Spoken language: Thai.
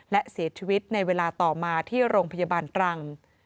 และเสียชีวิตในเวลาต่อมาที่โรงพยาบาลตรัง